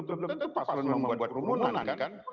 paslon mau buat rumuh mana kan